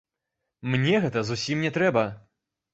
Мне гэта зусім не трэба!